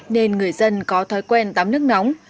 nên người dân có thói quen tắm nước nóng